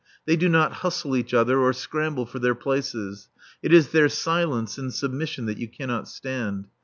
They do not hustle each other or scramble for their places. It is their silence and submission that you cannot stand.